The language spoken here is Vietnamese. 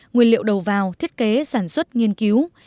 nguyên liệu đầu vào thiết kế sản xuất nghiên cứu